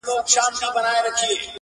هغه چي اوس زما په مخه راسي مخ اړوي ,